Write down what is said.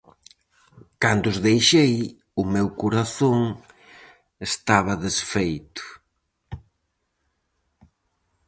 Cando os deixei, o meu corazón estaba desfeito.